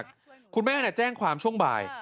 คุณแม่แจ้งความช่วงบ่าย